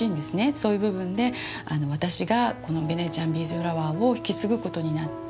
そういう部分で私がこのベネチアンビーズフラワーを引き継ぐことになって。